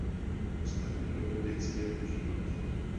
Ostatní mohou věci jen užívat.